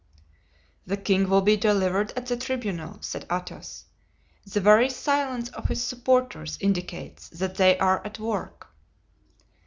"The king will be delivered at the tribunal," said Athos; "the very silence of his supporters indicates that they are at work."